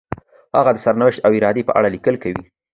هغه د سرنوشت او ارادې په اړه لیکل کوي.